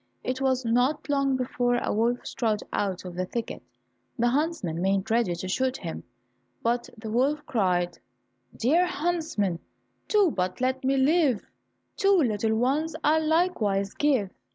It was not long before a wolf strode out of the thicket; the huntsmen made ready to shoot him, but the wolf cried, "Dear huntsman, do but let me live, Two little ones I'll likewise give."